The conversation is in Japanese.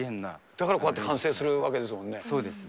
だからこうやって完成するわそうですね。